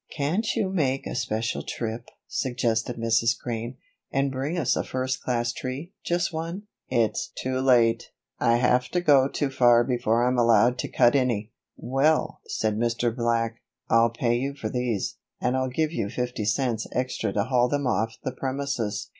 "Can't you make a special trip," suggested Mrs. Crane, "and bring us a first class tree just one?" "It's too late. I have to go too far before I'm allowed to cut any." "Well," said Mr. Black, "I'll pay you for these, and I'll give you fifty cents extra to haul them off the premises.